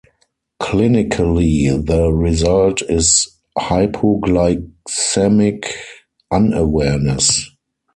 Clinically, the result is hypoglycemic unawareness.